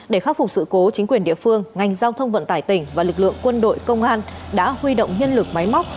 để khắc phục sự cố chính quyền địa phương ngành giao thông vận tải tỉnh và lực lượng quân đội công an đã huy động nhân lực máy móc